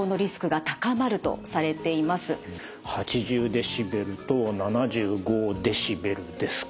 デシベルと７５デシベルですか。